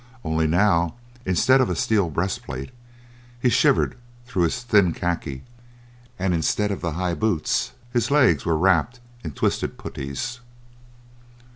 Only now, instead of a steel breastplate, he shivered through his thin khaki, and instead of the high boots, his legs were wrapped in twisted putties.